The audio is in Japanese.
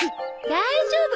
大丈夫。